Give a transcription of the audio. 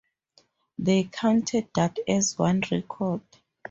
They counted that as one record.